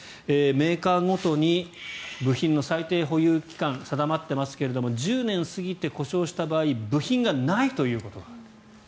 メーカーごとに部品の最低保有期間が定まっていますが１０年過ぎて故障した場合部品がないということがある。